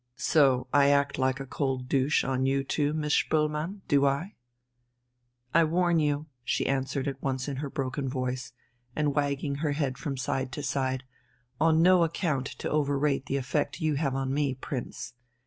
So I act like a cold douche on you too, Miss Spoelmann, do I?" "I warn you," she answered at once in her broken voice, and wagging her head from side to side, "on no account to overrate the effect you have upon me, Prince."